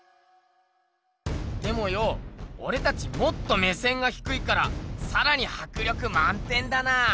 でもよおれたちもっと目線がひくいからさらにはくりょくまん点だなあ！